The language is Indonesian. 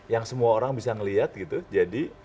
yang semua orang bisa melihat gitu jadi